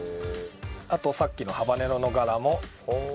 あとさっきのハバネロのガラも。